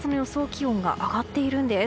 気温が上がっているんです。